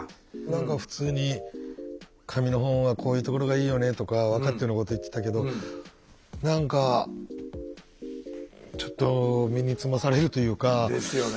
何か普通に「紙の本はこういうところがいいよね」とか分かってるようなこと言ってたけど何かちょっと身につまされるというか。ですよね。